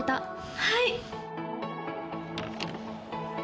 はい！